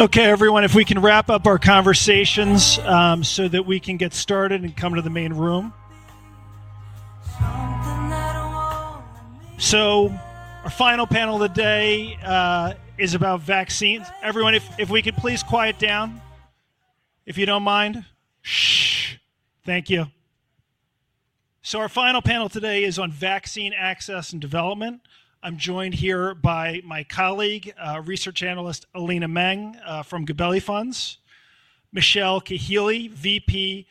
Okay, everyone, if we can wrap up our conversations so that we can get started and come to the main room. Our final panel today is about vaccines. Everyone, if we could please quiet down, if you don't mind. Thank you. Our final panel today is on vaccine access and development. I'm joined here by my colleague, Research Analyst Elena Meng from Gabelli Funds, Michelle Cahillie, VP,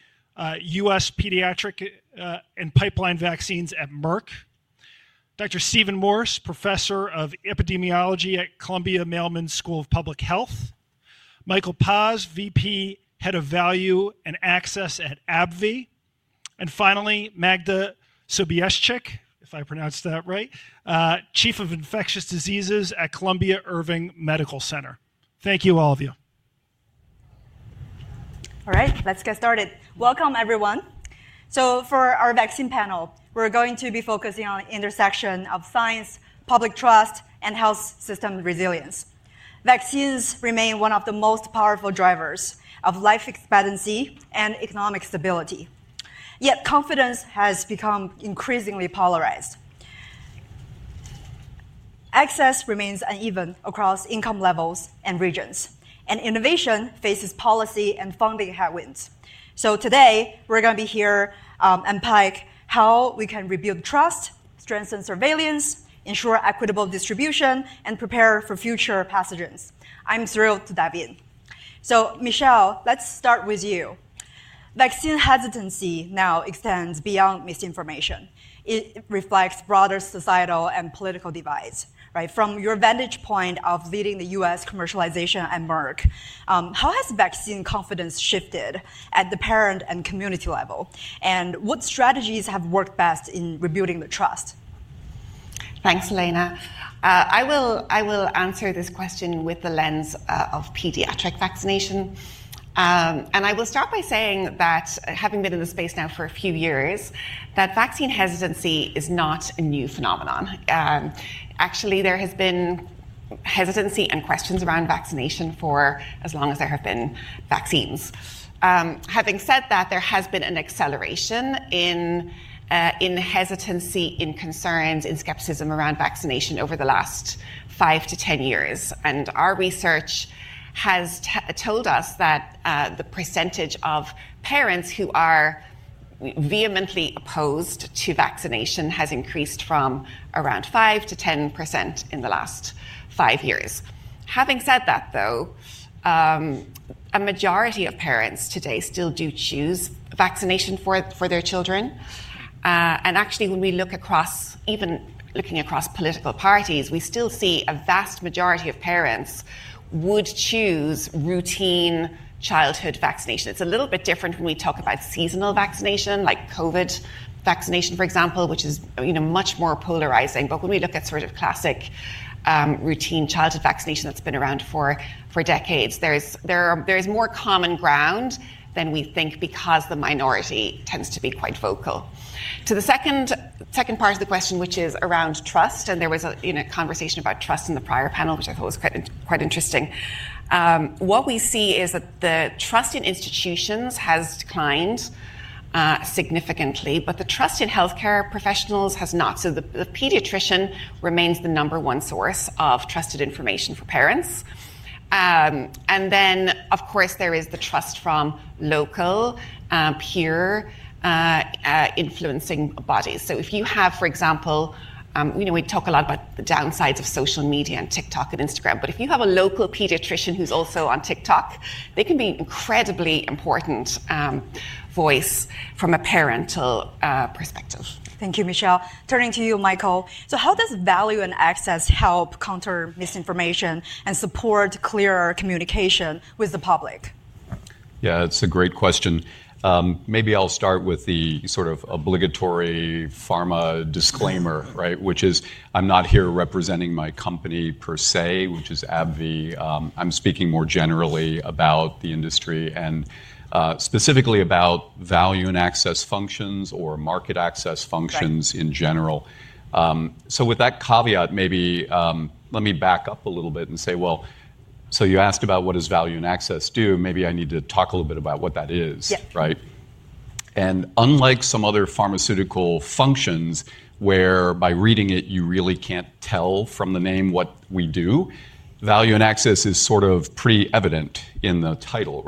U.S. Pediatric and Pipeline Vaccines at Merck, Dr. Steven Morse, Professor of Epidemiology at Columbia Mailman School of Public Health, Michael Paas, VP, Head of Value and Access at AbbVie, and finally, Magda Sobieszczyk, if I pronounced that right, Chief of Infectious Diseases at Columbia Irving Medical Center. Thank you, all of you. All right, let's get started. Welcome, everyone. For our vaccine panel, we're going to be focusing on the intersection of science, public trust, and health system resilience. Vaccines remain one of the most powerful drivers of life expectancy and economic stability. Yet confidence has become increasingly polarized. Access remains uneven across income levels and regions, and innovation faces policy and funding headwinds. Today, we're going to be here unpack how we can rebuild trust, strengthen surveillance, ensure equitable distribution, and prepare for future pathogens. I'm thrilled to dive in. Michelle, let's start with you. Vaccine hesitancy now extends beyond misinformation. It reflects broader societal and political divides. From your vantage point of leading the U.S. commercialization at Merck, how has vaccine confidence shifted at the parent and community level? What strategies have worked best in rebuilding the trust? Thanks, Elena. I will answer this question with the lens of pediatric vaccination. I will start by saying that, having been in the space now for a few years, vaccine hesitancy is not a new phenomenon. Actually, there has been hesitancy and questions around vaccination for as long as there have been vaccines. Having said that, there has been an acceleration in hesitancy, in concerns, in skepticism around vaccination over the last 5-10 years. Our research has told us that the percentage of parents who are vehemently opposed to vaccination has increased from around 5% to 10% in the last five years. Having said that, though, a majority of parents today still do choose vaccination for their children. Actually, when we look across, even looking across political parties, we still see a vast majority of parents would choose routine childhood vaccination. It's a little bit different when we talk about seasonal vaccination, like COVID vaccination, for example, which is much more polarizing. When we look at sort of classic routine childhood vaccination that's been around for decades, there is more common ground than we think because the minority tends to be quite vocal. To the second part of the question, which is around trust, and there was a conversation about trust in the prior panel, which I thought was quite interesting. What we see is that the trust in institutions has declined significantly, but the trust in healthcare professionals has not. The pediatrician remains the number one source of trusted information for parents. Of course, there is the trust from local peer influencing bodies. If you have, for example, we talk a lot about the downsides of social media and TikTok and Instagram, but if you have a local pediatrician who's also on TikTok, they can be an incredibly important voice from a parental perspective. Thank you, Michelle. Turning to you, Michael. So how does value and access help counter misinformation and support clearer communication with the public? Yeah, that's a great question. Maybe I'll start with the sort of obligatory pharma disclaimer, which is I'm not here representing my company per se, which is AbbVie. I'm speaking more generally about the industry and specifically about value and access functions or market access functions in general. With that caveat, maybe let me back up a little bit and say, you asked about what does value and access do. Maybe I need to talk a little bit about what that is. Unlike some other pharmaceutical functions where by reading it, you really can't tell from the name what we do, value and access is sort of pretty evident in the title.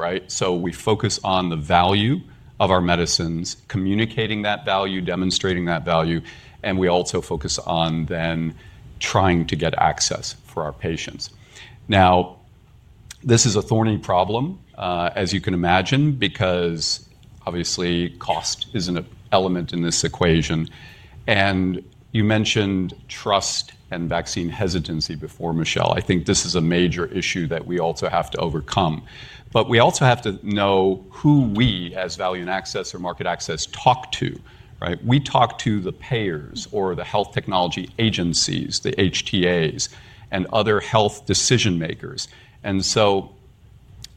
We focus on the value of our medicines, communicating that value, demonstrating that value, and we also focus on then trying to get access for our patients. Now, this is a thorny problem, as you can imagine, because obviously cost is an element in this equation. You mentioned trust and vaccine hesitancy before, Michelle. I think this is a major issue that we also have to overcome. We also have to know who we as value and access or market access talk to. We talk to the payers or the health technology agencies, the HTAs, and other health decision makers.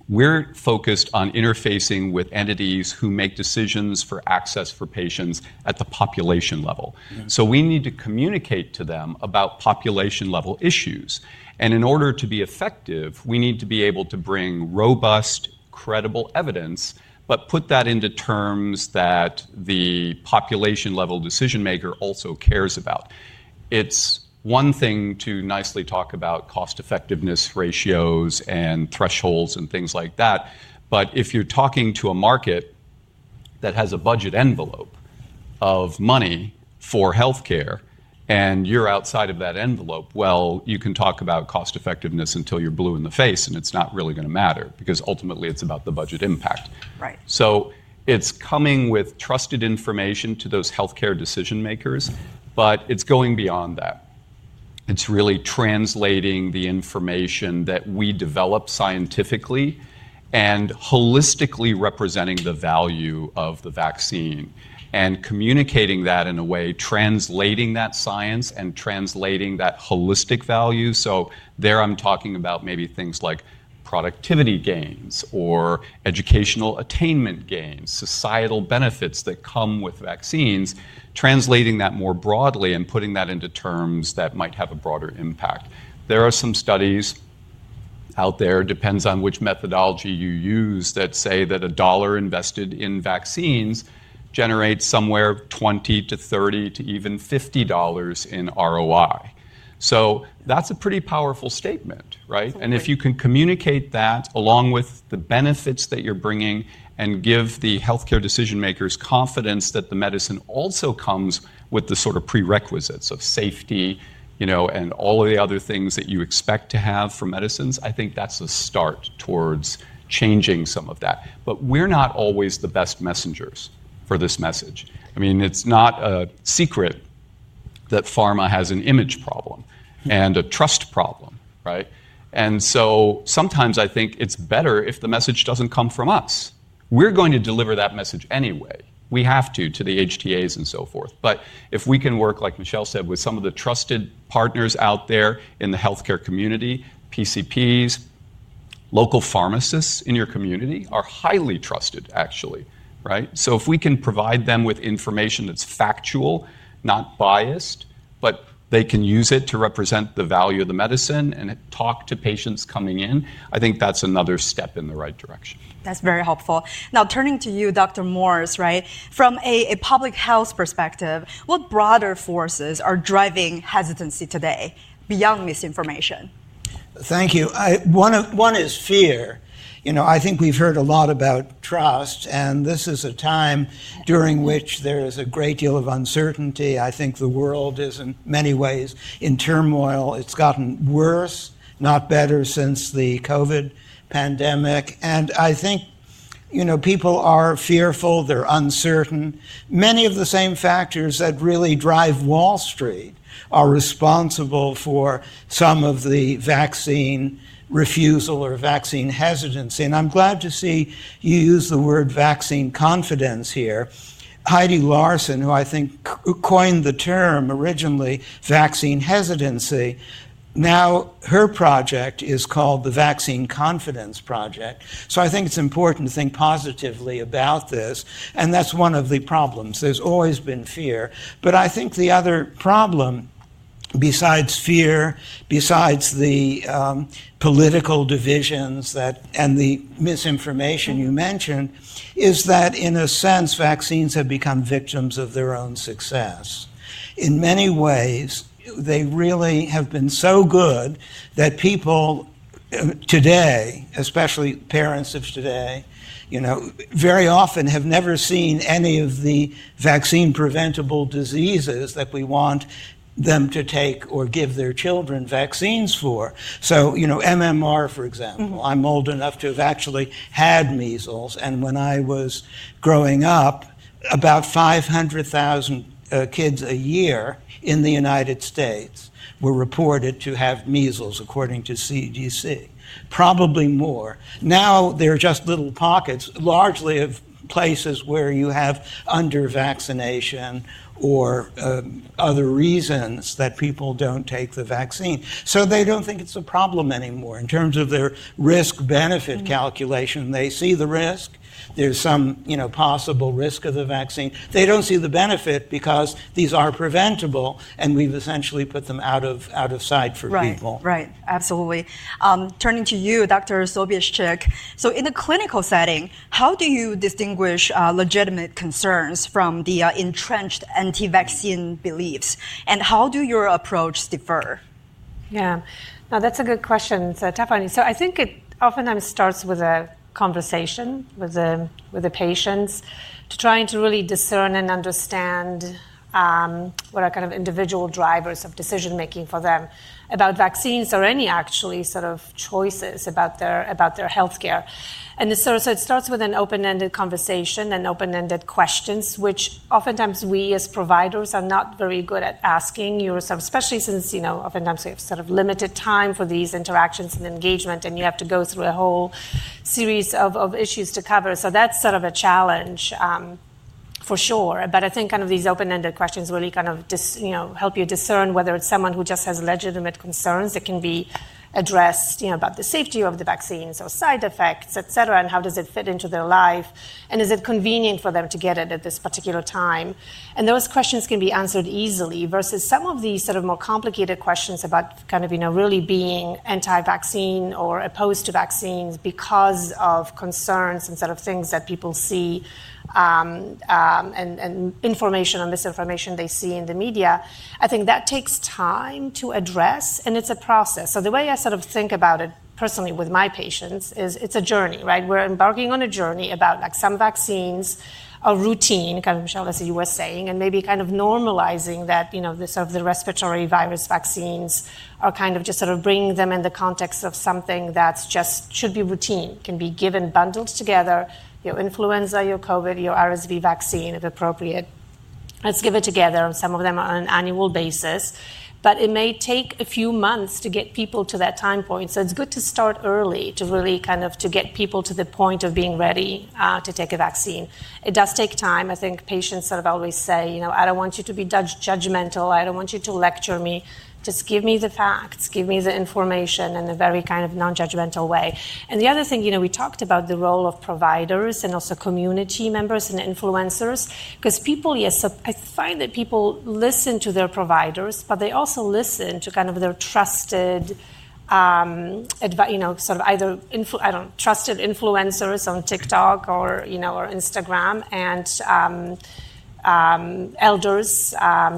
We are focused on interfacing with entities who make decisions for access for patients at the population level. We need to communicate to them about population-level issues. In order to be effective, we need to be able to bring robust, credible evidence, but put that into terms that the population-level decision maker also cares about. It is one thing to nicely talk about cost-effectiveness ratios and thresholds and things like that. If you're talking to a market that has a budget envelope of money for healthcare and you're outside of that envelope, you can talk about cost-effectiveness until you're blue in the face and it's not really going to matter because ultimately it's about the budget impact. It's coming with trusted information to those healthcare decision makers, but it's going beyond that. It's really translating the information that we develop scientifically and holistically representing the value of the vaccine and communicating that in a way, translating that science and translating that holistic value. There I'm talking about maybe things like productivity gains or educational attainment gains, societal benefits that come with vaccines, translating that more broadly and putting that into terms that might have a broader impact. There are some studies out there, depends on which methodology you use, that say that a dollar invested in vaccines generates somewhere $20-$30 to even $50 in ROI. That is a pretty powerful statement. If you can communicate that along with the benefits that you are bringing and give the healthcare decision makers confidence that the medicine also comes with the sort of prerequisites of safety and all of the other things that you expect to have for medicines, I think that is a start towards changing some of that. We are not always the best messengers for this message. I mean, it is not a secret that pharma has an image problem and a trust problem. Sometimes I think it is better if the message does not come from us. We are going to deliver that message anyway. We have to, to the HTAs and so forth. If we can work, like Michelle said, with some of the trusted partners out there in the healthcare community, PCPs, local pharmacists in your community are highly trusted, actually. If we can provide them with information that's factual, not biased, but they can use it to represent the value of the medicine and talk to patients coming in, I think that's another step in the right direction. That's very helpful. Now, turning to you, Dr. Morse, from a public health perspective, what broader forces are driving hesitancy today beyond misinformation? Thank you. One is fear. I think we've heard a lot about trust, and this is a time during which there is a great deal of uncertainty. I think the world is in many ways in turmoil. It's gotten worse, not better since the COVID pandemic. I think people are fearful. They're uncertain. Many of the same factors that really drive Wall Street are responsible for some of the vaccine refusal or vaccine hesitancy. I'm glad to see you use the word vaccine confidence here. Heidi Larson, who I think coined the term originally vaccine hesitancy, now her project is called the Vaccine Confidence Project. I think it's important to think positively about this. That's one of the problems. There's always been fear. I think the other problem besides fear, besides the political divisions and the misinformation you mentioned, is that in a sense, vaccines have become victims of their own success. In many ways, they really have been so good that people today, especially parents of today, very often have never seen any of the vaccine-preventable diseases that we want them to take or give their children vaccines for. MMR, for example, I'm old enough to have actually had measles. When I was growing up, about 500,000 kids a year in the United States were reported to have measles, according to CDC. Probably more. Now, there are just little pockets, largely of places where you have under-vaccination or other reasons that people do not take the vaccine. They do not think it is a problem anymore in terms of their risk-benefit calculation. They see the risk. There's some possible risk of the vaccine. They don't see the benefit because these are preventable and we've essentially put them out of sight for people. Right. Absolutely. Turning to you, Dr. Sobieszczyk. In a clinical setting, how do you distinguish legitimate concerns from the entrenched anti-vaccine beliefs? How do your approach differ? Yeah. Now, that's a good question. I think it oftentimes starts with a conversation with the patients to try and to really discern and understand what are kind of individual drivers of decision-making for them about vaccines or any actually sort of choices about their healthcare. It starts with an open-ended conversation and open-ended questions, which oftentimes we as providers are not very good at asking yourself, especially since oftentimes we have sort of limited time for these interactions and engagement, and you have to go through a whole series of issues to cover. That's sort of a challenge for sure. I think kind of these open-ended questions really kind of help you discern whether it's someone who just has legitimate concerns that can be addressed about the safety of the vaccines or side effects, et cetera, and how does it fit into their life? Is it convenient for them to get it at this particular time? Those questions can be answered easily versus some of these more complicated questions about really being anti-vaccine or opposed to vaccines because of concerns and things that people see and information or misinformation they see in the media. I think that takes time to address, and it's a process. The way I think about it personally with my patients is it's a journey. We're embarking on a journey about some vaccines are routine, kind of Michelle, as you were saying, and maybe normalizing that the respiratory virus vaccines are just bringing them in the context of something that should be routine, can be given bundled together, your influenza, your COVID, your RSV vaccine if appropriate. Let's give it together. Some of them are on an annual basis. It may take a few months to get people to that time point. It is good to start early to really kind of get people to the point of being ready to take a vaccine. It does take time. I think patients sort of always say, "I don't want you to be judgmental. I don't want you to lecture me. Just give me the facts. Give me the information in a very kind of non-judgmental way." The other thing, we talked about the role of providers and also community members and influencers because people, yes, I find that people listen to their providers, but they also listen to kind of their trusted sort of either trusted influencers on TikTok or Instagram and elders,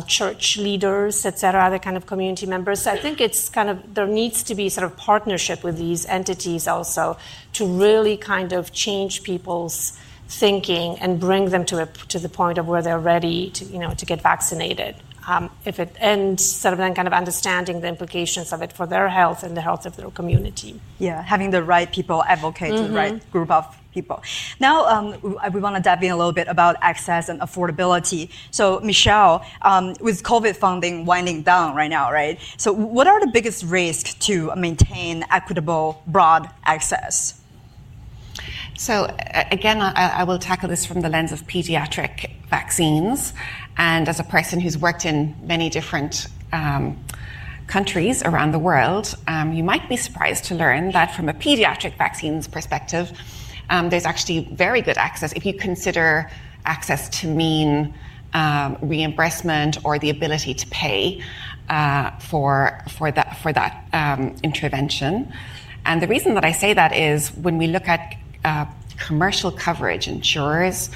church leaders, et cetera, other kind of community members. I think it's kind of there needs to be sort of partnership with these entities also to really kind of change people's thinking and bring them to the point of where they're ready to get vaccinated and sort of then kind of understanding the implications of it for their health and the health of their community. Yeah. Having the right people advocate to the right group of people. Now, we want to dive in a little bit about access and affordability. Michelle, with COVID funding winding down right now, what are the biggest risks to maintain equitable broad access? I will tackle this from the lens of pediatric vaccines. And as a person who's worked in many different countries around the world, you might be surprised to learn that from a pediatric vaccines perspective, there's actually very good access if you consider access to mean reimbursement or the ability to pay for that intervention. The reason that I say that is when we look at commercial coverage, insurers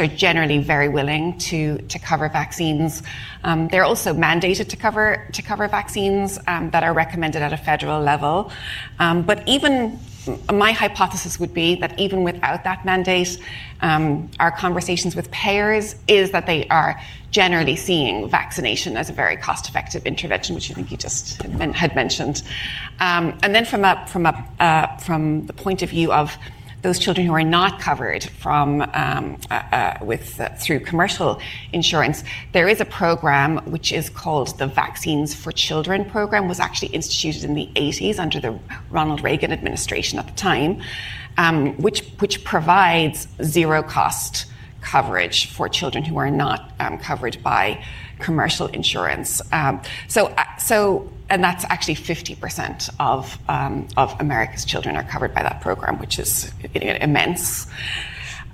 are generally very willing to cover vaccines. They're also mandated to cover vaccines that are recommended at a federal level. Even my hypothesis would be that even without that mandate, our conversations with payers is that they are generally seeing vaccination as a very cost-effective intervention, which I think you just had mentioned. From the point of view of those children who are not covered through commercial insurance, there is a program which is called the Vaccines for Children Program. It was actually instituted in the 1980s under the Ronald Reagan administration at the time, which provides zero-cost coverage for children who are not covered by commercial insurance. That is actually 50% of America's children are covered by that program, which is immense.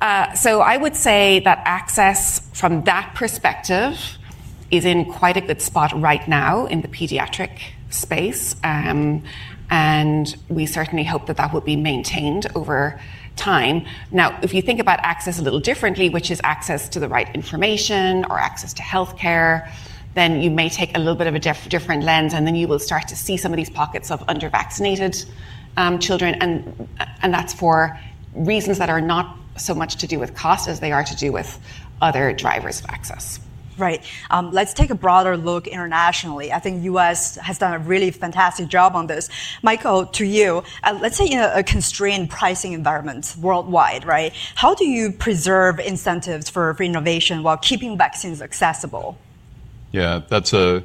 I would say that access from that perspective is in quite a good spot right now in the pediatric space. We certainly hope that will be maintained over time. Now, if you think about access a little differently, which is access to the right information or access to healthcare, you may take a little bit of a different lens, and then you will start to see some of these pockets of undervaccinated children. That's for reasons that are not so much to do with cost as they are to do with other drivers of access. Right. Let's take a broader look internationally. I think the U.S. has done a really fantastic job on this. Michael, to you, let's say in a constrained pricing environment worldwide, how do you preserve incentives for innovation while keeping vaccines accessible? Yeah, that's a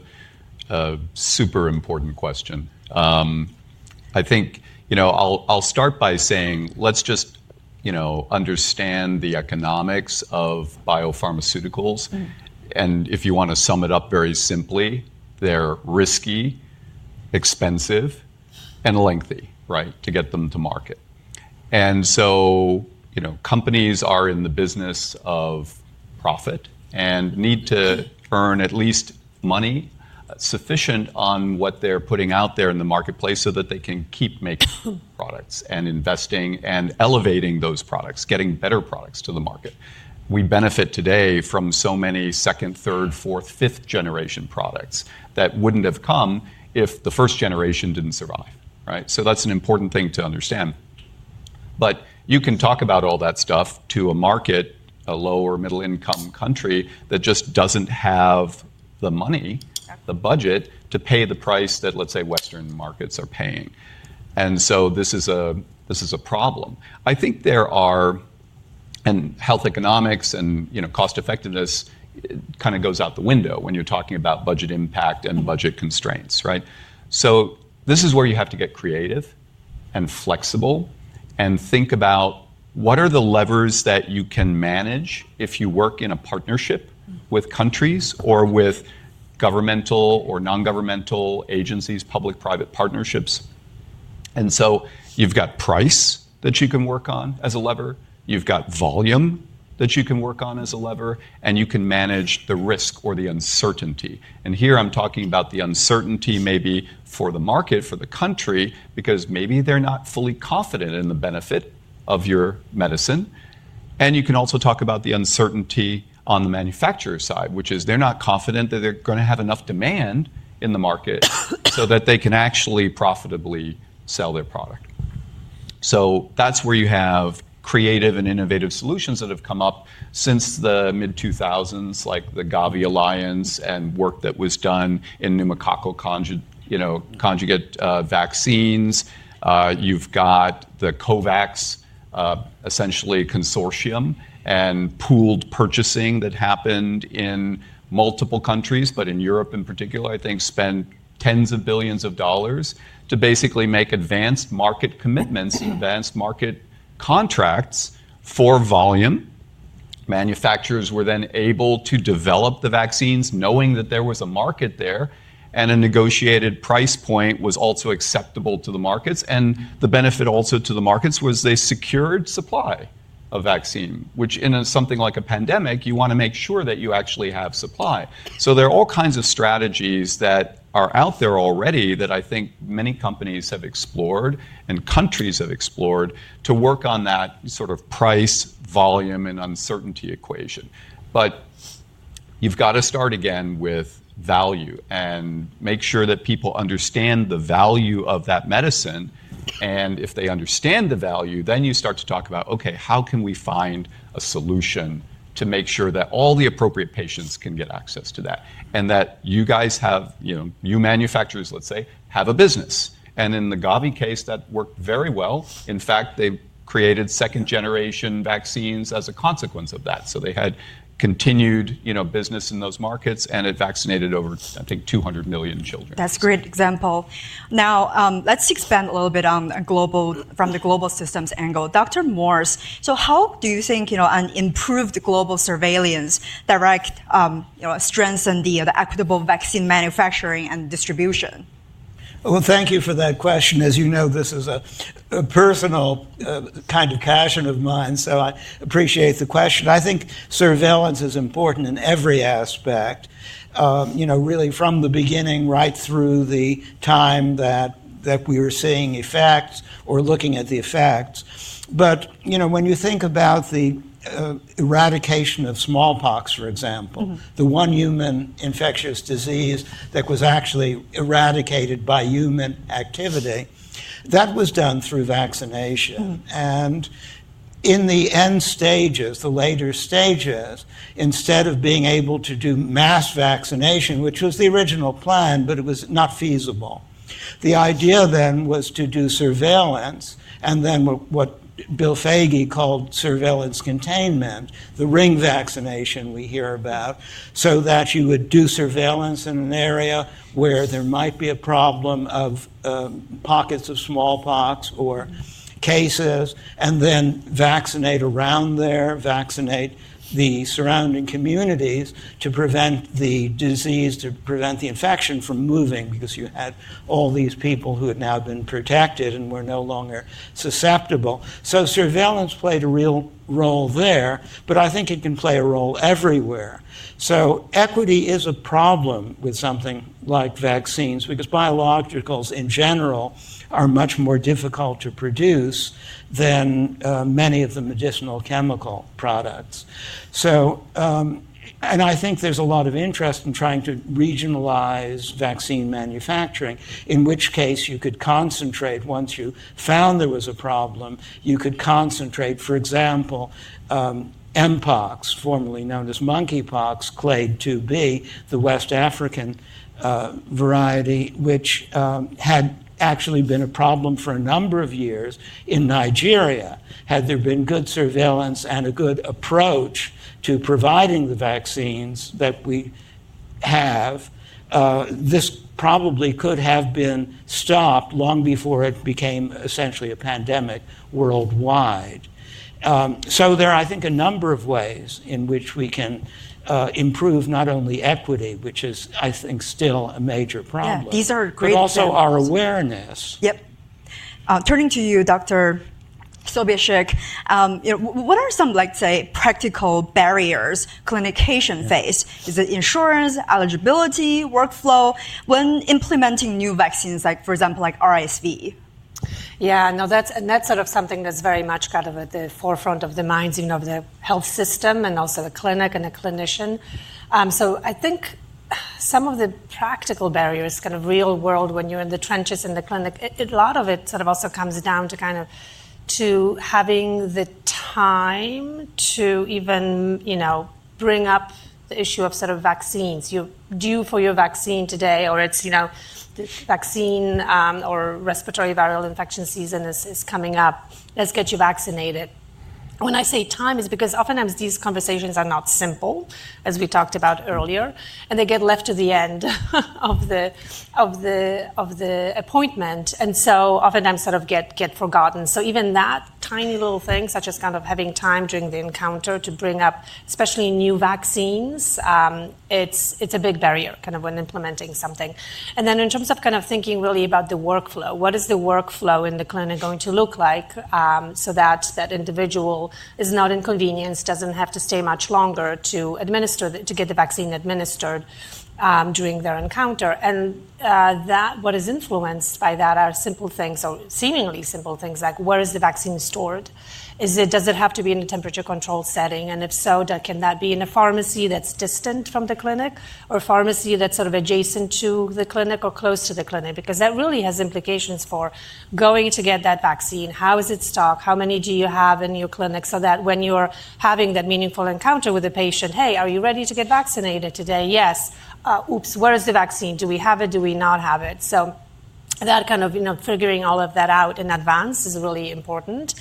super important question. I think I'll start by saying, let's just understand the economics of biopharmaceuticals. If you want to sum it up very simply, they're risky, expensive, and lengthy to get them to market. Companies are in the business of profit and need to earn at least money sufficient on what they're putting out there in the marketplace so that they can keep making products and investing and elevating those products, getting better products to the market. We benefit today from so many second, third, fourth, fifth generation products that wouldn't have come if the first generation didn't survive. That's an important thing to understand. You can talk about all that stuff to a market, a lower middle-income country that just doesn't have the money, the budget to pay the price that, let's say, Western markets are paying. This is a problem. I think health economics and cost-effectiveness kind of goes out the window when you're talking about budget impact and budget constraints. This is where you have to get creative and flexible and think about what are the levers that you can manage if you work in a partnership with countries or with governmental or non-governmental agencies, public-private partnerships. You've got price that you can work on as a lever. You've got volume that you can work on as a lever, and you can manage the risk or the uncertainty. Here I'm talking about the uncertainty maybe for the market, for the country, because maybe they're not fully confident in the benefit of your medicine. You can also talk about the uncertainty on the manufacturer side, which is they're not confident that they're going to have enough demand in the market so that they can actually profitably sell their product. That's where you have creative and innovative solutions that have come up since the mid-2000s, like the Gavi Alliance and work that was done in pneumococcal conjugate vaccines. You've got COVAX, essentially consortium and pooled purchasing that happened in multiple countries, but in Europe in particular, I think spent tens of billions of dollars to basically make advanced market commitments and advanced market contracts for volume. Manufacturers were then able to develop the vaccines knowing that there was a market there, and a negotiated price point was also acceptable to the markets. The benefit also to the markets was they secured supply of vaccine, which in something like a pandemic, you want to make sure that you actually have supply. There are all kinds of strategies that are out there already that I think many companies have explored and countries have explored to work on that sort of price, volume, and uncertainty equation. You have to start again with value and make sure that people understand the value of that medicine. If they understand the value, then you start to talk about, okay, how can we find a solution to make sure that all the appropriate patients can get access to that and that you guys have, you manufacturers, let's say, have a business. In the Gavi case, that worked very well. In fact, they created second-generation vaccines as a consequence of that. They had continued business in those markets, and it vaccinated over, I think, 200 million children. That's a great example. Now, let's expand a little bit from the global systems angle. Dr. Morse, so how do you think an improved global surveillance direct strengthen the equitable vaccine manufacturing and distribution? Thank you for that question. As you know, this is a personal kind of passion of mine, so I appreciate the question. I think surveillance is important in every aspect, really from the beginning right through the time that we were seeing effects or looking at the effects. When you think about the eradication of smallpox, for example, the one human infectious disease that was actually eradicated by human activity, that was done through vaccination. In the end stages, the later stages, instead of being able to do mass vaccination, which was the original plan, but it was not feasible, the idea then was to do surveillance and then what Bill Foege called surveillance containment, the ring vaccination we hear about, so that you would do surveillance in an area where there might be a problem of pockets of smallpox or cases and then vaccinate around there, vaccinate the surrounding communities to prevent the disease, to prevent the infection from moving because you had all these people who had now been protected and were no longer susceptible. Surveillance played a real role there, but I think it can play a role everywhere. Equity is a problem with something like vaccines because biologicals in general are much more difficult to produce than many of the medicinal chemical products. I think there's a lot of interest in trying to regionalize vaccine manufacturing, in which case you could concentrate once you found there was a problem. You could concentrate, for example, Mpox, formerly known as monkeypox, Clade 2B, the West African variety, which had actually been a problem for a number of years in Nigeria. Had there been good surveillance and a good approach to providing the vaccines that we have, this probably could have been stopped long before it became essentially a pandemic worldwide. There are, I think, a number of ways in which we can improve not only equity, which is, I think, still a major problem. Yeah. These are great questions. Also our awareness. Yep. Turning to you, Dr. Sobieszczyk, what are some, let's say, practical barriers clinic patients face? Is it insurance, eligibility, workflow when implementing new vaccines, for example, like RSV? Yeah. That's sort of something that's very much kind of at the forefront of the minds of the health system and also the clinic and the clinician. I think some of the practical barriers, kind of real world, when you're in the trenches in the clinic, a lot of it sort of also comes down to kind of having the time to even bring up the issue of sort of vaccines. You due for your vaccine today or it's vaccine or respiratory viral infection season is coming up. Let's get you vaccinated. When I say time, it's because oftentimes these conversations are not simple, as we talked about earlier, and they get left to the end of the appointment. Oftentimes they sort of get forgotten. Even that tiny little thing, such as kind of having time during the encounter to bring up, especially new vaccines, it's a big barrier kind of when implementing something. In terms of kind of thinking really about the workflow, what is the workflow in the clinic going to look like so that that individual is not inconvenienced, doesn't have to stay much longer to get the vaccine administered during their encounter? What is influenced by that are simple things or seemingly simple things like where is the vaccine stored? Does it have to be in a temperature-controlled setting? If so, can that be in a pharmacy that's distant from the clinic or a pharmacy that's sort of adjacent to the clinic or close to the clinic? That really has implications for going to get that vaccine. How is it stocked? How many do you have in your clinic so that when you're having that meaningful encounter with a patient, hey, are you ready to get vaccinated today? Yes. Oops, where is the vaccine? Do we have it? Do we not have it? That kind of figuring all of that out in advance is really important.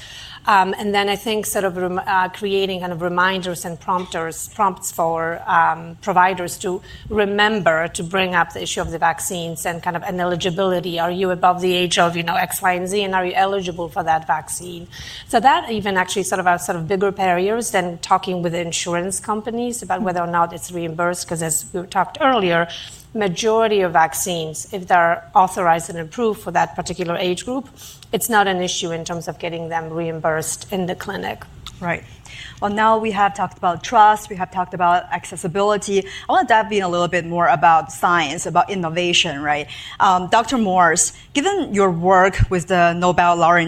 I think sort of creating kind of reminders and prompts for providers to remember to bring up the issue of the vaccines and kind of an eligibility. Are you above the age of X, Y, and Z, and are you eligible for that vaccine? That even actually sort of are sort of bigger barriers than talking with insurance companies about whether or not it's reimbursed because, as we talked earlier, majority of vaccines, if they're authorized and approved for that particular age group, it's not an issue in terms of getting them reimbursed in the clinic. Right. Now we have talked about trust. We have talked about accessibility. I want to dive in a little bit more about science, about innovation. Dr. Morse, given your work with the Nobel laureate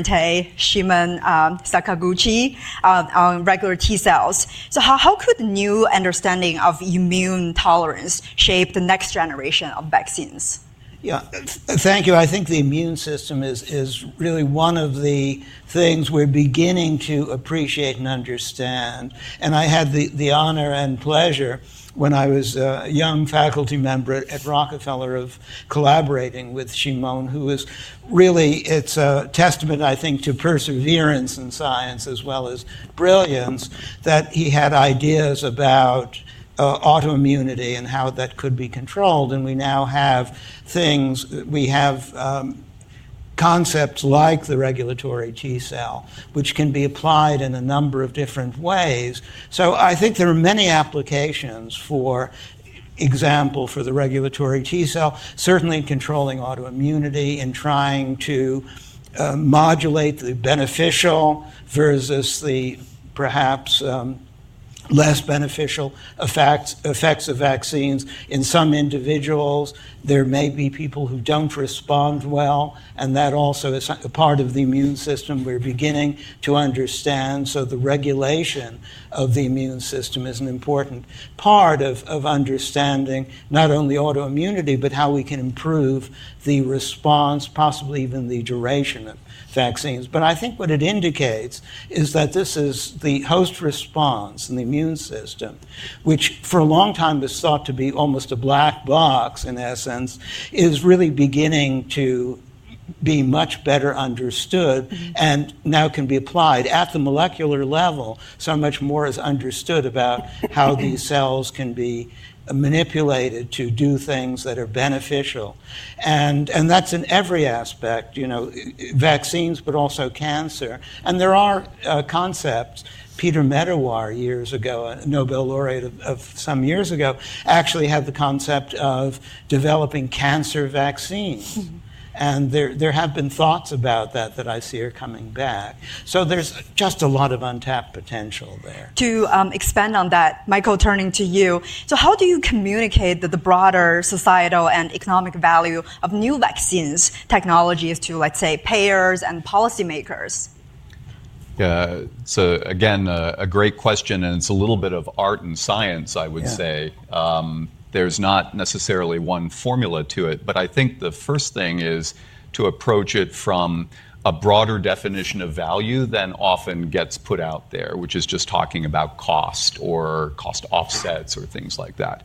Shimon Sakaguchi on regulatory T cells, how could new understanding of immune tolerance shape the next generation of vaccines? Yeah. Thank you. I think the immune system is really one of the things we're beginning to appreciate and understand. I had the honor and pleasure when I was a young faculty member at Rockefeller of collaborating with Shimon, who is really, it's a testament, I think, to perseverance in science as well as brilliance that he had ideas about autoimmunity and how that could be controlled. We now have things. We have concepts like the regulatory T cell, which can be applied in a number of different ways. I think there are many applications, for example, for the regulatory T cell, certainly controlling autoimmunity and trying to modulate the beneficial versus the perhaps less beneficial effects of vaccines in some individuals. There may be people who do not respond well. That also is part of the immune system we're beginning to understand. The regulation of the immune system is an important part of understanding not only autoimmunity, but how we can improve the response, possibly even the duration of vaccines. I think what it indicates is that this is the host response in the immune system, which for a long time was thought to be almost a black box in essence, is really beginning to be much better understood and now can be applied at the molecular level. Much more is understood about how these cells can be manipulated to do things that are beneficial. That is in every aspect, vaccines, but also cancer. There are concepts. Peter Medawar, years ago, a Nobel laureate of some years ago, actually had the concept of developing cancer vaccines. There have been thoughts about that that I see are coming back. There is just a lot of untapped potential there. To expand on that, Michael, turning to you, so how do you communicate the broader societal and economic value of new vaccines technologies to, let's say, payers and policymakers? Yeah. Again, a great question, and it's a little bit of art and science, I would say. There's not necessarily one formula to it, but I think the first thing is to approach it from a broader definition of value than often gets put out there, which is just talking about cost or cost offsets or things like that.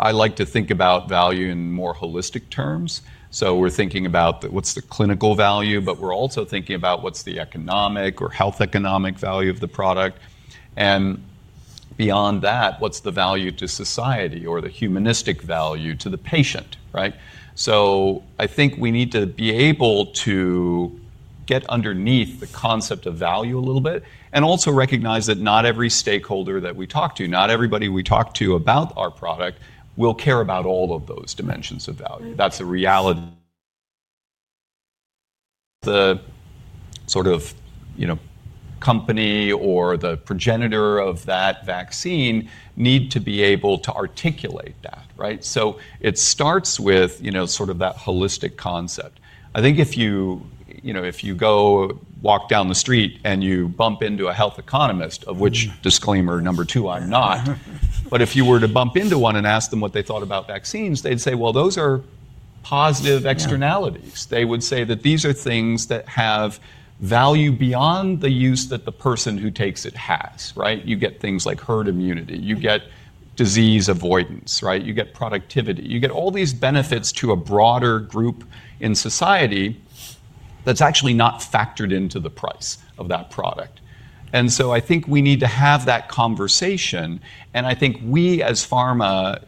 I like to think about value in more holistic terms. We're thinking about what's the clinical value, but we're also thinking about what's the economic or health economic value of the product. Beyond that, what's the value to society or the humanistic value to the patient, right? I think we need to be able to get underneath the concept of value a little bit and also recognize that not every stakeholder that we talk to, not everybody we talk to about our product will care about all of those dimensions of value. That's a reality. The sort of company or the progenitor of that vaccine need to be able to articulate that, right? It starts with sort of that holistic concept. I think if you go walk down the street and you bump into a health economist, of which disclaimer number two, I'm not, but if you were to bump into one and ask them what they thought about vaccines, they'd say, well, those are positive externalities. They would say that these are things that have value beyond the use that the person who takes it has, right? You get things like herd immunity. You get disease avoidance, right? You get productivity. You get all these benefits to a broader group in society that's actually not factored into the price of that product. I think we need to have that conversation. I think we as pharma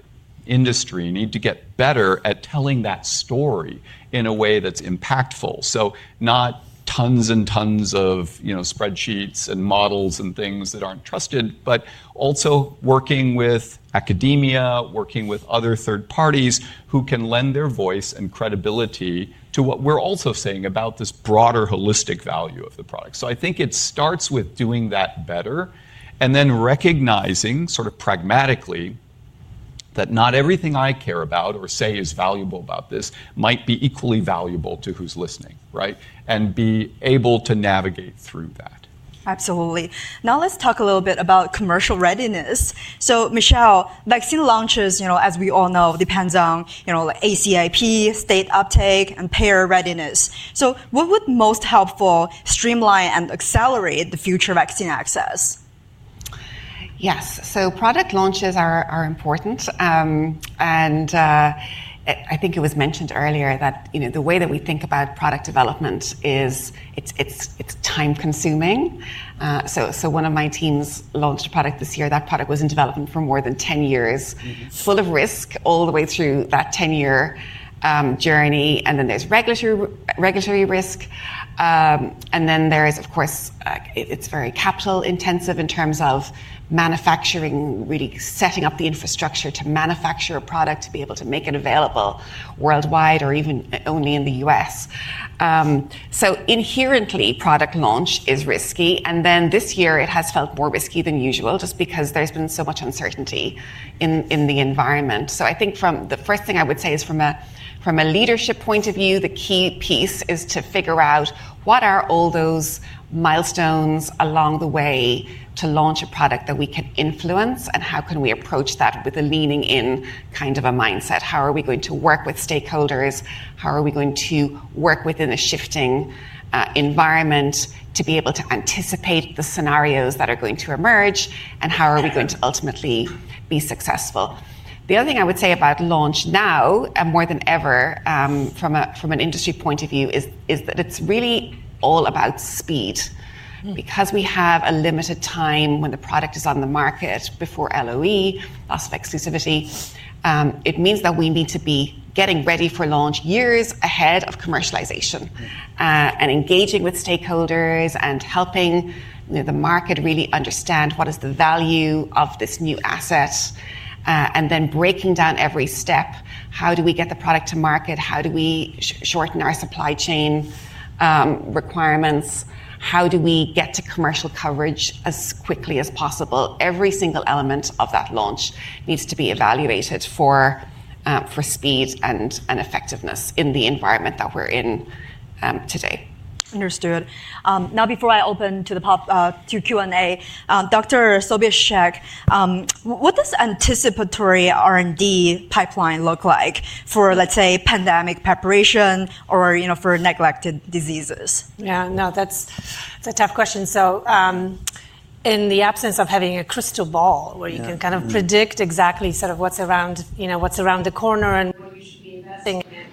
industry need to get better at telling that story in a way that's impactful. Not tons and tons of spreadsheets and models and things that aren't trusted, but also working with academia, working with other third parties who can lend their voice and credibility to what we're also saying about this broader holistic value of the product. I think it starts with doing that better and then recognizing sort of pragmatically that not everything I care about or say is valuable about this might be equally valuable to who's listening, right? And be able to navigate through that. Absolutely. Now let's talk a little bit about commercial readiness. Michelle, vaccine launches, as we all know, depends on ACIP, state uptake, and payer readiness. What would most help streamline and accelerate the future vaccine access? Yes. Product launches are important. I think it was mentioned earlier that the way that we think about product development is it's time-consuming. One of my teams launched a product this year. That product was in development for more than 10 years, full of risk all the way through that 10-year journey. There is regulatory risk. There is, of course, it's very capital-intensive in terms of manufacturing, really setting up the infrastructure to manufacture a product to be able to make it available worldwide or even only in the US. Inherently, product launch is risky. This year, it has felt more risky than usual just because there has been so much uncertainty in the environment. I think the first thing I would say is from a leadership point of view, the key piece is to figure out what are all those milestones along the way to launch a product that we can influence and how can we approach that with a leaning in kind of a mindset. How are we going to work with stakeholders? How are we going to work within a shifting environment to be able to anticipate the scenarios that are going to emerge? How are we going to ultimately be successful? The other thing I would say about launch now and more than ever from an industry point of view is that it's really all about speed. Because we have a limited time when the product is on the market before LOE, loss of exclusivity, it means that we need to be getting ready for launch years ahead of commercialization and engaging with stakeholders and helping the market really understand what is the value of this new asset and then breaking down every step. How do we get the product to market? How do we shorten our supply chain requirements? How do we get to commercial coverage as quickly as possible? Every single element of that launch needs to be evaluated for speed and effectiveness in the environment that we're in today. Understood. Now, before I open to the Q&A, Dr. Sobieszczyk, what does anticipatory R&D pipeline look like for, let's say, pandemic preparation or for neglected diseases? Yeah. No, that's a tough question. In the absence of having a crystal ball where you can kind of predict exactly sort of what's around the corner and where you should be investing, I think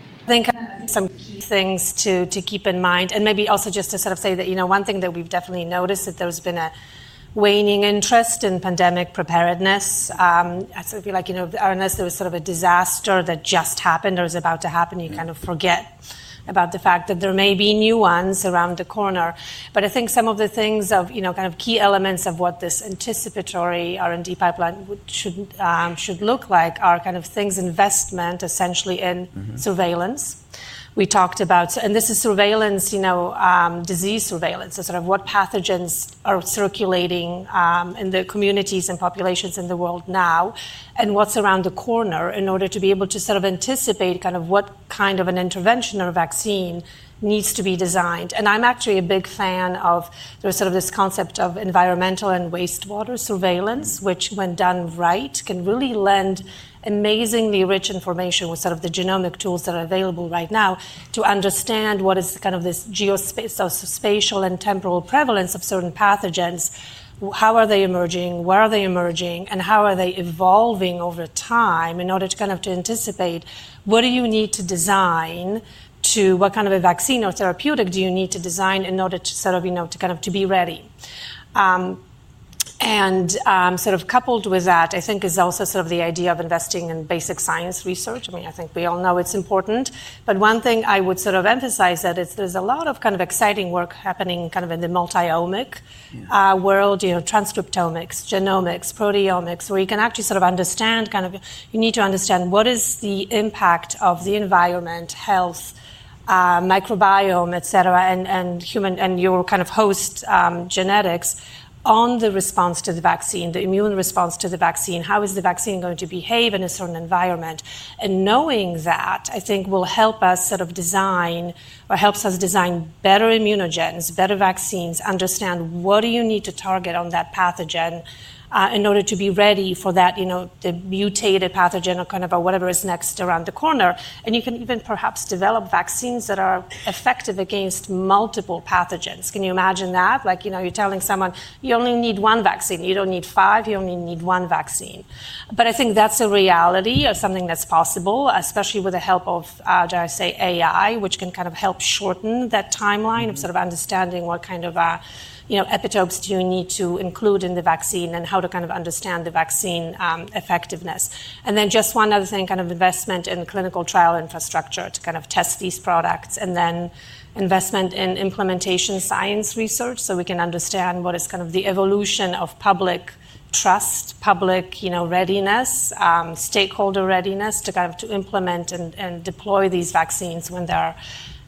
some key things to keep in mind. Maybe also just to sort of say that one thing that we've definitely noticed is that there's been a waning interest in pandemic preparedness. I feel like unless there was sort of a disaster that just happened or is about to happen, you kind of forget about the fact that there may be new ones around the corner. I think some of the things of kind of key elements of what this anticipatory R&D pipeline should look like are kind of things investment essentially in surveillance. We talked about, and this is surveillance, disease surveillance, sort of what pathogens are circulating in the communities and populations in the world now and what is around the corner in order to be able to sort of anticipate kind of what kind of an intervention or vaccine needs to be designed. I'm actually a big fan of sort of this concept of environmental and wastewater surveillance, which when done right can really lend amazingly rich information with sort of the genomic tools that are available right now to understand what is kind of this geospatial and temporal prevalence of certain pathogens. How are they emerging? Where are they emerging? How are they evolving over time in order to kind of anticipate what do you need to design to what kind of a vaccine or therapeutic do you need to design in order to sort of kind of be ready? Sort of coupled with that, I think is also sort of the idea of investing in basic science research. I mean, I think we all know it's important. One thing I would sort of emphasize is that there's a lot of kind of exciting work happening kind of in the multi-omic world, transcriptomics, genomics, proteomics, where you can actually sort of understand kind of you need to understand what is the impact of the environment, health, microbiome, et cetera, and human and your kind of host genetics on the response to the vaccine, the immune response to the vaccine. How is the vaccine going to behave in a certain environment? Knowing that, I think, will help us sort of design or helps us design better immunogens, better vaccines, understand what do you need to target on that pathogen in order to be ready for that mutated pathogen or kind of whatever is next around the corner. You can even perhaps develop vaccines that are effective against multiple pathogens. Can you imagine that? Like you're telling someone, you only need one vaccine. You don't need five. You only need one vaccine. I think that's a reality or something that's possible, especially with the help of, dare I say, AI, which can kind of help shorten that timeline of sort of understanding what kind of epitopes do you need to include in the vaccine and how to kind of understand the vaccine effectiveness. Just one other thing, kind of investment in clinical trial infrastructure to kind of test these products and then investment in implementation science research so we can understand what is kind of the evolution of public trust, public readiness, stakeholder readiness to kind of implement and deploy these vaccines when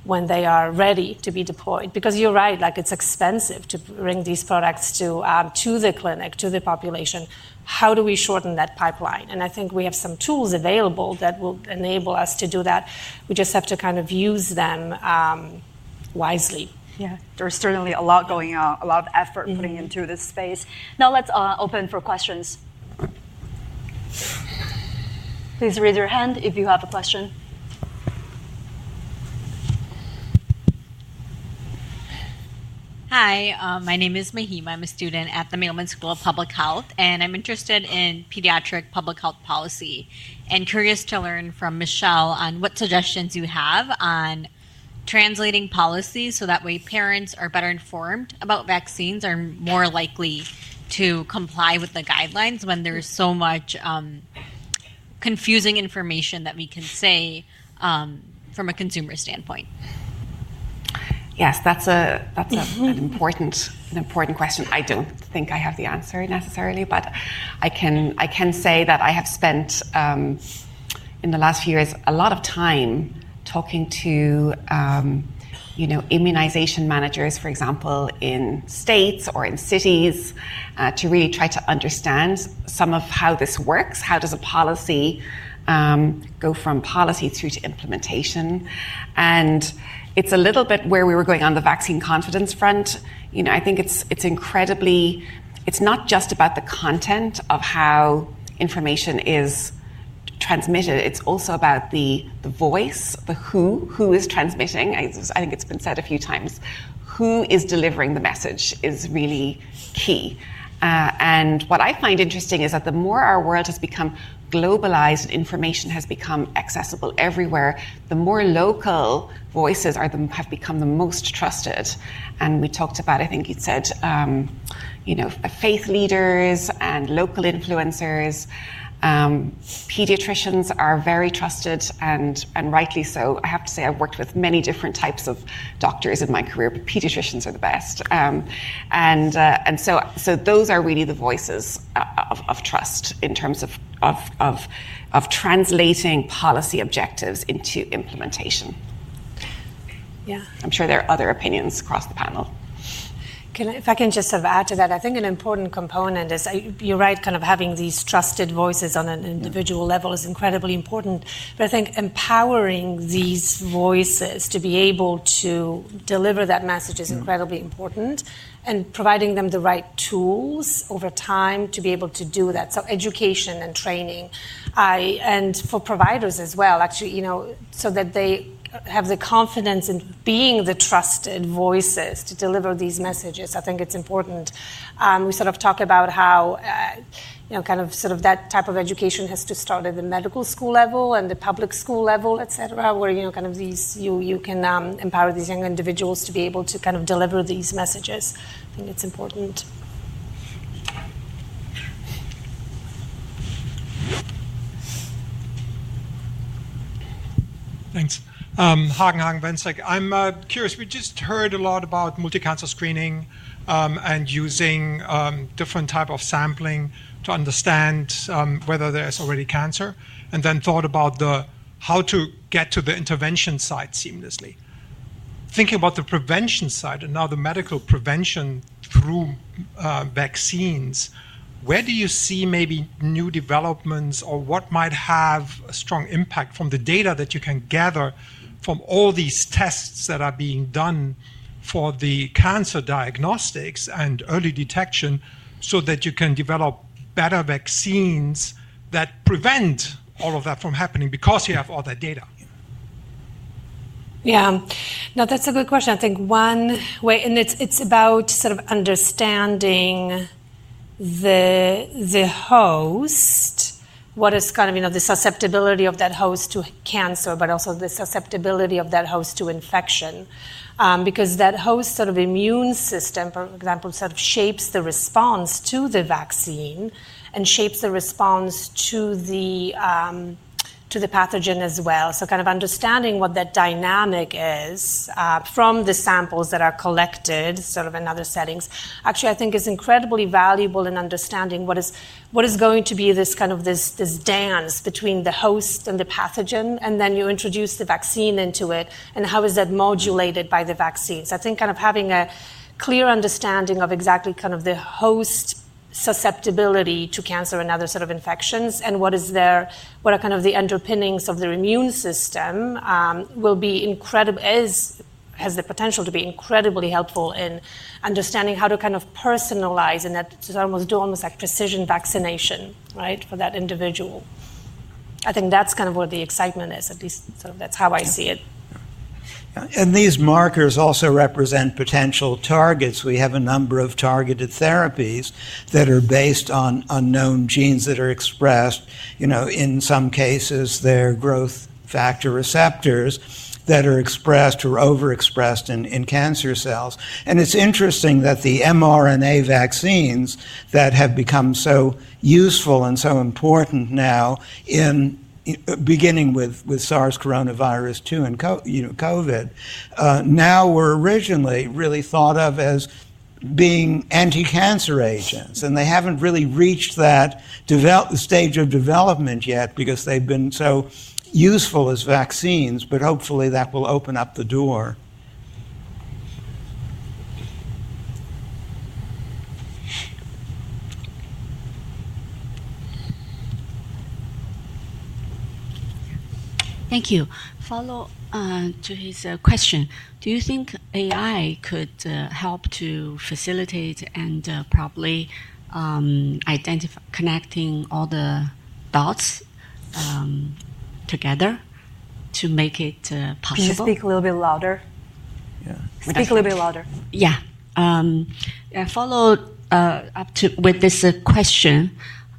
they are ready to be deployed. Because you're right, it's expensive to bring these products to the clinic, to the population. How do we shorten that pipeline? I think we have some tools available that will enable us to do that. We just have to kind of use them wisely. Yeah. There's certainly a lot going on, a lot of effort going into this space. Now let's open for questions. Please raise your hand if you have a question. Hi. My name is Mahim. I'm a student at the Mailman School of Public Health. I'm interested in pediatric public health policy and curious to learn from Michelle on what suggestions you have on translating policies so that way parents are better informed about vaccines and are more likely to comply with the guidelines when there is so much confusing information that we can say from a consumer standpoint. Yes. That's an important question. I don't think I have the answer necessarily, but I can say that I have spent in the last few years a lot of time talking to immunization managers, for example, in states or in cities to really try to understand some of how this works. How does a policy go from policy through to implementation? It's a little bit where we were going on the vaccine confidence front. I think it's incredibly, it's not just about the content of how information is transmitted. It's also about the voice, the who is transmitting. I think it's been said a few times. Who is delivering the message is really key. What I find interesting is that the more our world has become globalized and information has become accessible everywhere, the more local voices have become the most trusted. We talked about, I think you'd said, faith leaders and local influencers. Pediatricians are very trusted and rightly so. I have to say I've worked with many different types of doctors in my career, but pediatricians are the best. Those are really the voices of trust in terms of translating policy objectives into implementation. Yeah. I'm sure there are other opinions across the panel. If I can just add to that, I think an important component is you're right, kind of having these trusted voices on an individual level is incredibly important. I think empowering these voices to be able to deliver that message is incredibly important and providing them the right tools over time to be able to do that. Education and training and for providers as well, actually, so that they have the confidence in being the trusted voices to deliver these messages, I think it's important. We sort of talk about how kind of that type of education has to start at the medical school level and the public school level, et cetera, where kind of you can empower these young individuals to be able to kind of deliver these messages. I think it's important. Thanks. Hagen Wenzek, I'm curious. We just heard a lot about multicancer screening and using different types of sampling to understand whether there is already cancer and then thought about how to get to the intervention site seamlessly. Thinking about the prevention side and now the medical prevention through vaccines, where do you see maybe new developments or what might have a strong impact from the data that you can gather from all these tests that are being done for the cancer diagnostics and early detection so that you can develop better vaccines that prevent all of that from happening because you have all that data? Yeah. No, that's a good question. I think one way, and it's about sort of understanding the host, what is kind of the susceptibility of that host to cancer, but also the susceptibility of that host to infection. Because that host sort of immune system, for example, sort of shapes the response to the vaccine and shapes the response to the pathogen as well. Kind of understanding what that dynamic is from the samples that are collected sort of in other settings, actually, I think is incredibly valuable in understanding what is going to be this kind of dance between the host and the pathogen. You introduce the vaccine into it, and how is that modulated by the vaccine. I think kind of having a clear understanding of exactly kind of the host susceptibility to cancer and other sort of infections and what are kind of the underpinnings of their immune system will be incredible, has the potential to be incredibly helpful in understanding how to kind of personalize and almost do almost like precision vaccination for that individual. I think that's kind of where the excitement is. At least sort of that's how I see it. Yeah. These markers also represent potential targets. We have a number of targeted therapies that are based on unknown genes that are expressed. In some cases, they're growth factor receptors that are expressed or overexpressed in cancer cells. It's interesting that the mRNA vaccines that have become so useful and so important now, beginning with SARS coronavirus 2 and COVID, were originally really thought of as being anti-cancer agents. They haven't really reached that stage of development yet because they've been so useful as vaccines, but hopefully that will open up the door. Thank you. Follow to his question. Do you think AI could help to facilitate and probably connecting all the dots together to make it possible? Can you speak a little bit louder? Yeah. Speak a little bit louder. Yeah. I follow up with this question.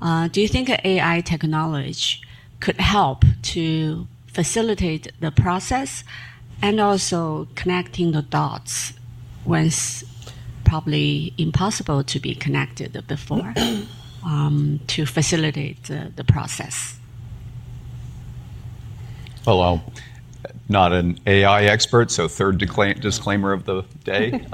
Do you think AI technology could help to facilitate the process and also connecting the dots when it's probably impossible to be connected before to facilitate the process? Hello. Not an AI expert, so third disclaimer of the day.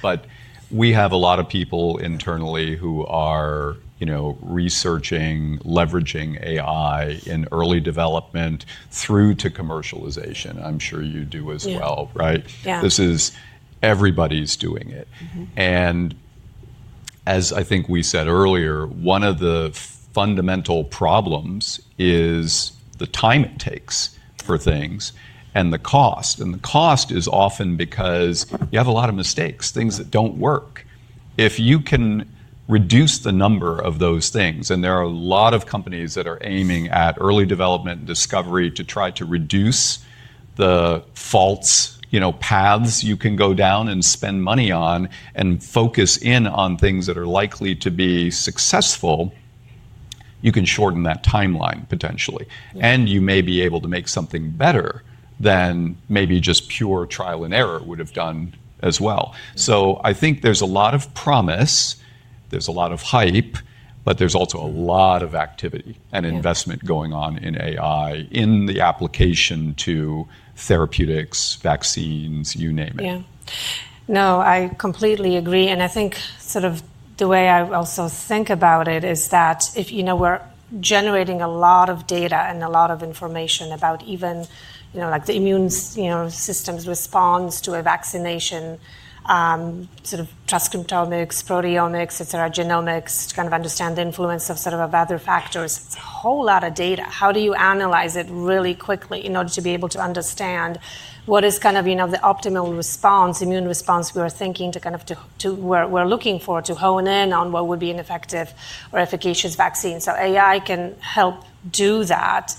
But we have a lot of people internally who are researching, leveraging AI in early development through to commercialization. I'm sure you do as well, right? Yeah. This is everybody's doing it. As I think we said earlier, one of the fundamental problems is the time it takes for things and the cost. The cost is often because you have a lot of mistakes, things that do not work. If you can reduce the number of those things, and there are a lot of companies that are aiming at early development and discovery to try to reduce the false paths you can go down and spend money on and focus in on things that are likely to be successful, you can shorten that timeline potentially. You may be able to make something better than maybe just pure trial and error would have done as well. I think there is a lot of promise. There's a lot of hype, but there's also a lot of activity and investment going on in AI, in the application to therapeutics, vaccines, you name it. Yeah. No, I completely agree. I think sort of the way I also think about it is that we're generating a lot of data and a lot of information about even the immune system's response to a vaccination, sort of transcriptomics, proteomics, et cetera, genomics, to kind of understand the influence of sort of other factors. It's a whole lot of data. How do you analyze it really quickly in order to be able to understand what is kind of the optimal response, immune response we are thinking to kind of we're looking for to hone in on what would be an effective or efficacious vaccine? AI can help do that,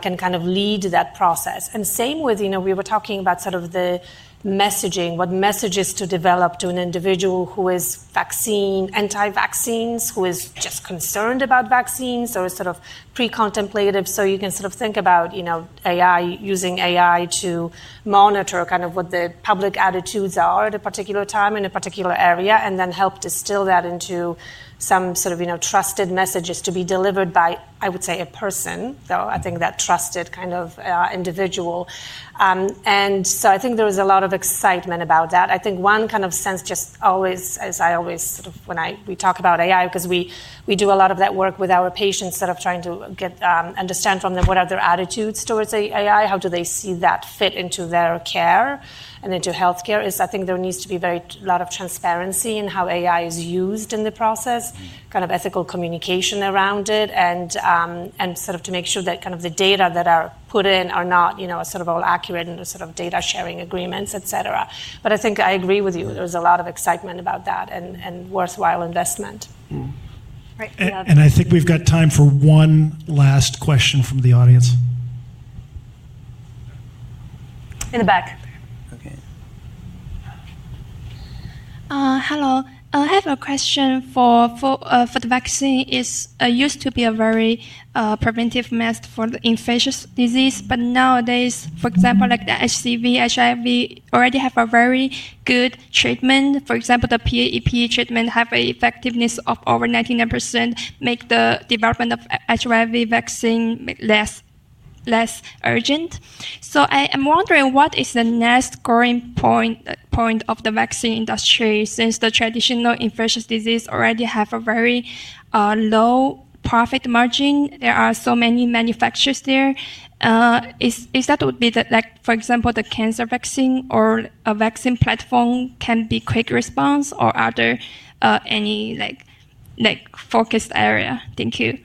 can kind of lead that process. Same with we were talking about sort of the messaging, what messages to develop to an individual who is vaccine, anti-vaccines, who is just concerned about vaccines or sort of pre-contemplative. You can sort of think about using AI to monitor kind of what the public attitudes are at a particular time in a particular area and then help distill that into some sort of trusted messages to be delivered by, I would say, a person, though I think that trusted kind of individual. I think there is a lot of excitement about that. I think one kind of sense just always, as I always sort of when we talk about AI, because we do a lot of that work with our patients that are trying to understand from them what are their attitudes towards AI, how do they see that fit into their care and into healthcare, is I think there needs to be a lot of transparency in how AI is used in the process, kind of ethical communication around it, and sort of to make sure that kind of the data that are put in are not sort of all accurate in the sort of data sharing agreements, et cetera. I think I agree with you. There's a lot of excitement about that and worthwhile investment. Right. I think we've got time for one last question from the audience. In the back. Okay. Hello. I have a question for the vaccine. It used to be a very preventive method for infectious disease, but nowadays, for example, like the HCV, HIV, already have a very good treatment. For example, the PEP treatment have an effectiveness of over 99%, make the development of HIV vaccine less urgent. So I am wondering what is the next growing point of the vaccine industry since the traditional infectious disease already have a very low profit margin. There are so many manufacturers there. Is that would be like, for example, the cancer vaccine or a vaccine platform can be quick response or are there any focused area? Thank you.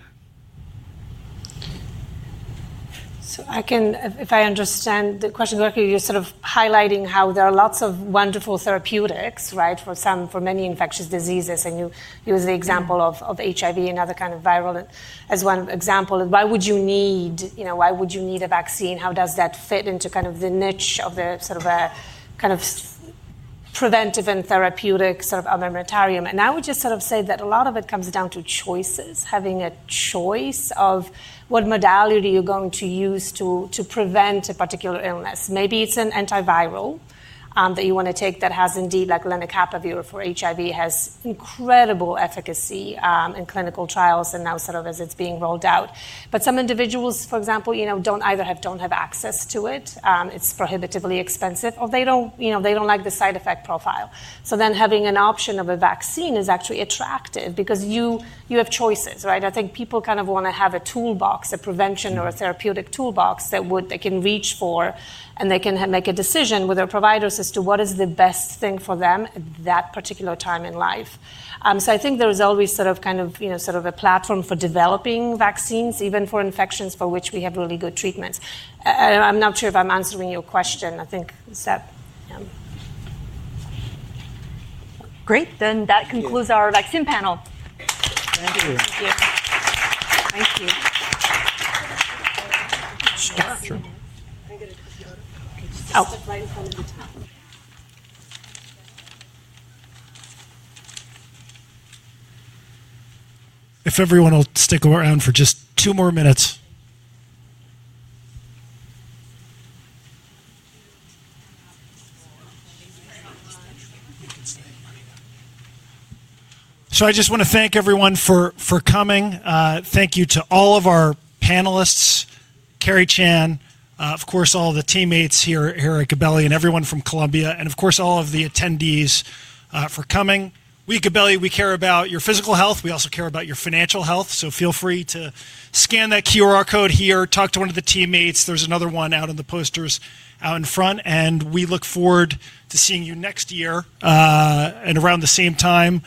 I can, if I understand the question correctly, you're sort of highlighting how there are lots of wonderful therapeutics for many infectious diseases. You use the example of HIV and other kind of viral as one example. Why would you need a vaccine? How does that fit into kind of the niche of the sort of kind of preventive and therapeutic sort of armamentarium? I would just sort of say that a lot of it comes down to choices, having a choice of what modality you're going to use to prevent a particular illness. Maybe it's an antiviral that you want to take that has indeed, like lenacapavir for HIV, has incredible efficacy in clinical trials and now sort of as it's being rolled out. Some individuals, for example, don't either have access to it, it's prohibitively expensive, or they don't like the side effect profile. Then having an option of a vaccine is actually attractive because you have choices, right? I think people kind of want to have a toolbox, a prevention or a therapeutic toolbox that they can reach for, and they can make a decision with their providers as to what is the best thing for them at that particular time in life. I think there is always sort of a platform for developing vaccines, even for infections for which we have really good treatments. I'm not sure if I'm answering your question. I think that, yeah. Great. That concludes our vaccine panel. Thank you. Thank you. Thank you. If everyone will stick around for just two more minutes. I just want to thank everyone for coming. Thank you to all of our panelists, Carrie Chan, of course, all the teammates here, Eric Cabelli, and everyone from Columbia, and of course, all of the attendees for coming. We at Gabelli, we care about your physical health. We also care about your financial health. Feel free to scan that QR code here, talk to one of the teammates. There is another one out on the posters out in front. We look forward to seeing you next year and around the same time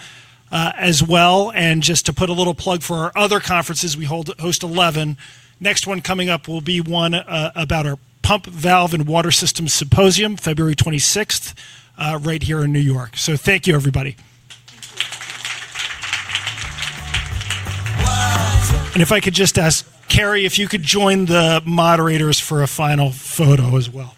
as well. Just to put a little plug for our other conferences, we host 11. The next one coming up will be one about our pump valve and water system symposium, February 26th, right here in New York. Thank you, everybody. If I could just ask Carrie if you could join the moderators for a final photo as well.